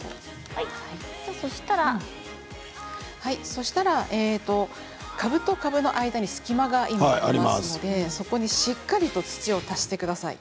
そうしたら株と株の間に隙間がありますのでそこにしっかりと土を足してください。